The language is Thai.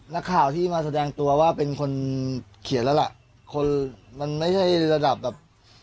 นักข่าวที่มาแสดงตัวว่าเป็นคนเขียนแล้วล่ะคนมันไม่ใช่ระดับแบบ